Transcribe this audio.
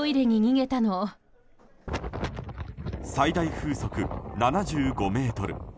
最大風速７５メートル。